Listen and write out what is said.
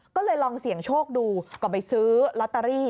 ก็เลยลองเสี่ยงโชคดูก็ไปซื้อลอตเตอรี่